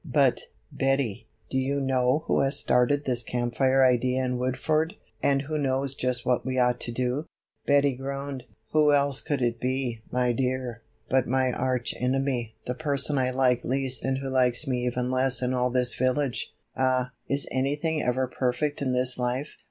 "But, Betty, do you know who has started this Camp Fire idea in Woodford and who knows just what we ought to do?" Betty groaned. "Who else could it be, my dear, but my arch enemy, the person I like least and who likes me even less in all this village. Ah, is anything ever perfect in this life?